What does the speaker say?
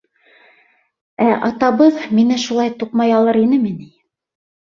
Ә атабыҙ мине шулай туҡмай алыр инеме ни?